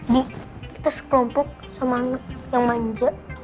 di kita sekelompok sama yang manja